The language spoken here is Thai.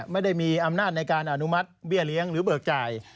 ไม่ได้มีอำนาจในการอนุมัติเบี้ยเลี้ยงหรือเบิกจ่าย